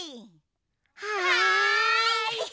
はい！